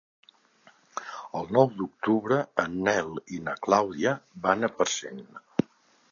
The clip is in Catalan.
El nou d'octubre en Nel i na Clàudia van a Parcent.